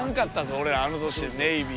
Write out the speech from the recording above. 俺あの年でネイビーは。